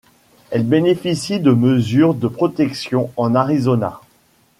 Elle bénéficie de mesures de protection en Arizona.